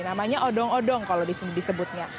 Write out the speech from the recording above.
namanya odong odong kalau disebutnya